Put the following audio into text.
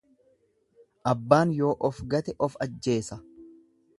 Abbaan yoo of gate of ajjeesa.